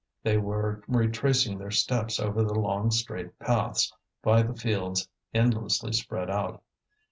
They were retracing their steps over the long straight paths, by the fields endlessly spread out.